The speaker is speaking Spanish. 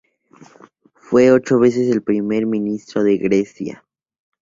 Fue ocho veces el primer ministro de Grecia.